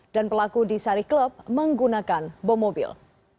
dan pelaku di sari club menggunakan bom mobil